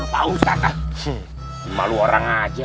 pak ustadz malu orang aja